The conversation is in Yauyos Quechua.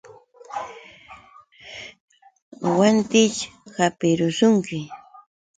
Wantićh hapirushunki.